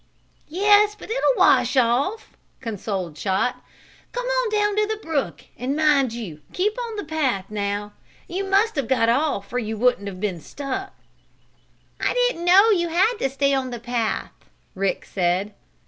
"Yes, but it'll wash off," consoled Chot. "Come on down to the brook, and mind you keep on the path, now! You must have got off or you wouldn't have been stuck." "I didn't know you had to stay on the path," Rick said.